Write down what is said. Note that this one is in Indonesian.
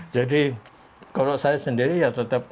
jadi kalau saya sendiri ya tetap